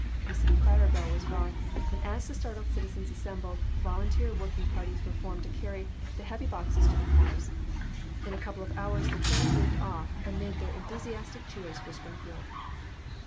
The city fire bell was rung, and as the startled citizens assembled, volunteer working parties were formed to carry the heavy boxes to the cars ; in a couple of hours " the train moved off, amid their enthusiastic cheers, for Springfield."